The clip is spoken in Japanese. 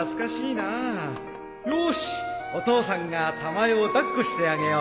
よーしお父さんがたまえを抱っこしてあげよう